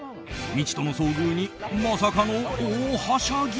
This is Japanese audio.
未知との遭遇にまさかの大はしゃぎ。